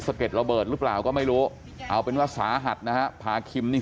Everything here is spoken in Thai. เก็ดระเบิดหรือเปล่าก็ไม่รู้เอาเป็นว่าสาหัสนะฮะพาคิมนี่